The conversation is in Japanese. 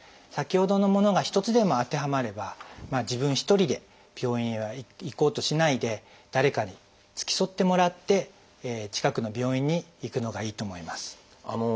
先ほどのものが１つでも当てはまれば自分一人で病院へは行こうとしないで誰かに付き添ってもらって近くの病院に行くのがいいと思います。